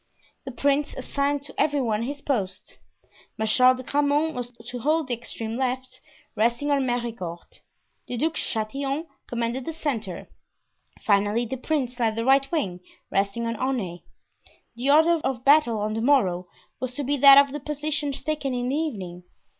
The prince assigned to every one his post. Marshal de Grammont was to hold the extreme left, resting on Mericourt. The Duc de Chatillon commanded the centre. Finally, the prince led the right wing, resting on Aunay. The order of battle on the morrow was to be that of the positions taken in the evening.